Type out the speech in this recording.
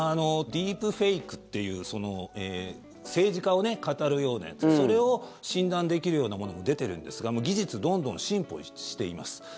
ディープフェイクという政治家をかたるようなやつそれを診断できるようなものが出てるんですが技術、どんどん進歩しています。